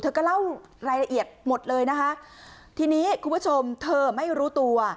ก็เล่ารายละเอียดหมดเลยนะคะทีนี้คุณผู้ชมเธอไม่รู้ตัว